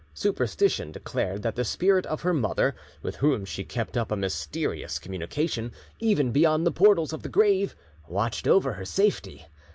Superstition declared that the spirit of her mother, with whom she kept up a mysterious communication even beyond the portals of the grave, watched over her safety.